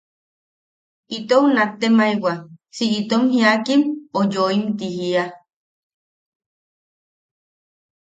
Itou nattemaiwa, si itom jiakim o yoim ti jiia.